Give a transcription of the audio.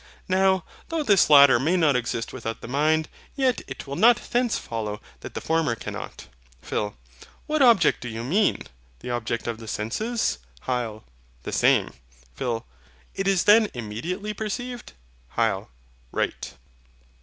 Now, though this latter may not exist without the mind, yet it will not thence follow that the former cannot. PHIL. What object do you mean? the object of the senses? HYL. The same. PHIL. It is then immediately perceived? HYL. Right.